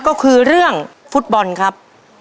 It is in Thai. ก็คือเรื่องฟุตบอลครับ